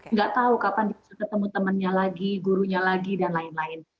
nggak tahu kapan dia bisa ketemu temannya lagi gurunya lagi dan lain lain